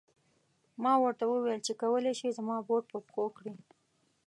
ما ورته و ویل چې کولای شې زما بوټ په پښو کړې.